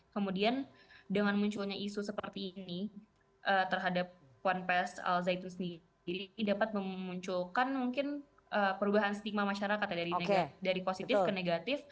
kemudian dengan munculnya isu seperti ini terhadap puan pes al zaitun sendiri dapat memunculkan mungkin perubahan stigma masyarakat ya dari positif ke negatif